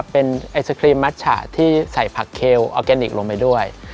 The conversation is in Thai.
เป็นไอศครีมมัชฉะที่ใส่ผักเคลออร์แกนิคลงไปด้วย